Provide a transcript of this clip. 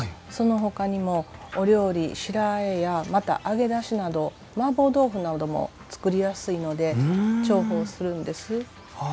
そのほかにもお料理白あえやまた揚げ出しなどマーボー豆腐なども作りやすいので重宝するんです。